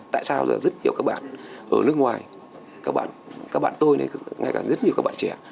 tại sao rất nhiều các bạn ở nước ngoài các bạn tôi này ngay cả rất nhiều các bạn trẻ